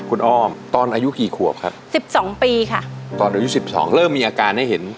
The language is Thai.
คุณอ้อมตอนอายุกี่ขวบค่ะ๑๒ปีค่ะตอนอายุ๑๒เริ่มมีอาการให้เห็น